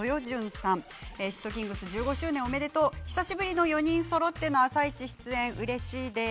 １５周年おめでとう久しぶりの４人そろっての「あさイチ」出演うれしいです。